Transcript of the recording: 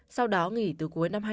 sau đó nghỉ từ cuối năm